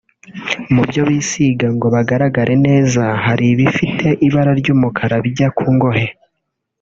Mu byo bisiga ngo bagaragare neza hari ibifite ibara ry’umukara bijya ku ngohe